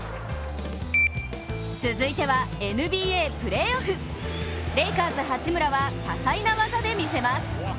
続いてはＮＢＡプレーオフ。レイカーズ・八村は多彩な技でみせます。